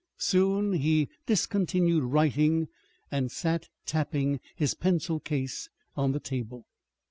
Soon he discontinued writing and sat tapping his pencil case on the table.